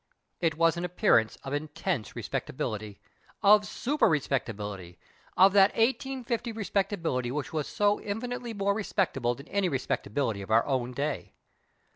It was an appearance of intense respectability, of super respectability, of that 1850 respectability which was so infinitely more respectable than any respectability of our own day.